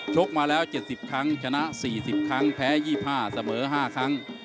กมาแล้ว๗๐ครั้งชนะ๔๐ครั้งแพ้๒๕เสมอ๕ครั้ง